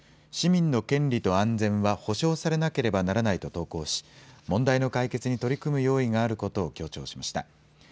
市民の権利と安全は保障されなければならないと投稿し、問題の解決に取り組む用意があることを強調しました。